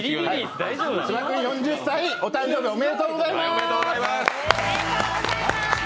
芝君４０歳、お誕生日おめでとうございます。